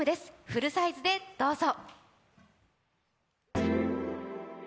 フルサイズでどうぞ。